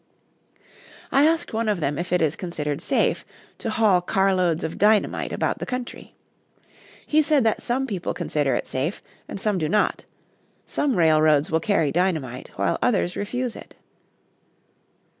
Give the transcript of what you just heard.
I asked one of them if it is considered safe to haul car loads of dynamite about the country. He said that some people consider it safe, and some do not; some railroads will carry dynamite, while others refuse it.